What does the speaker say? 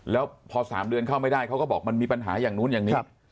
แล้วพอ๓เดือนเข้าไม่ได้เขาก็บอกมันมีปัญหาอย่างนู้นอย่างนี้